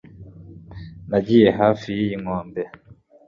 Nagiye hafi y'iyi nkombe